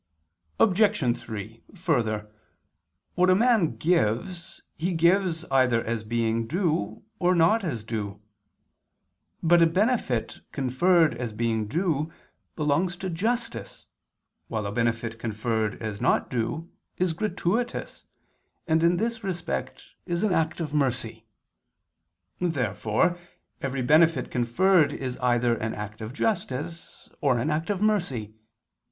Obj. 3: Further, what a man gives, he gives either as being due, or as not due. But a benefit conferred as being due belongs to justice while a benefit conferred as not due, is gratuitous, and in this respect is an act of mercy. Therefore every benefit conferred is either an act of justice, or an act of mercy.